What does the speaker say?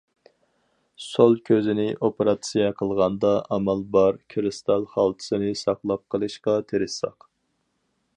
سول كۆزىنى ئوپېراتسىيە قىلغاندا ئامال بار كىرىستال خالتىسىنى ساقلاپ قېلىشقا تىرىشساق.